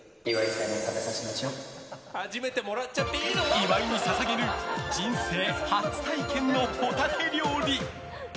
岩井に捧げる人生初体験のホタテ料理。